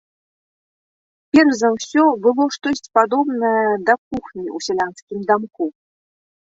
Перш за ўсё было штосьці падобнае да кухні ў сялянскім дамку.